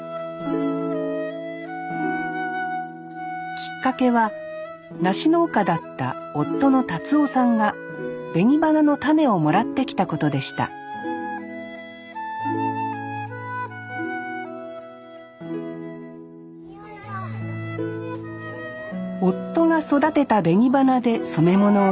きっかけは梨農家だった夫の達男さんが紅花の種をもらってきたことでした夫が育てた紅花で染め物をしたい。